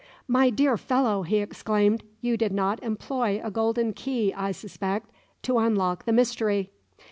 "My dear fellow," he exclaimed, "you did not employ a golden key, I suspect, to unlock the mystery!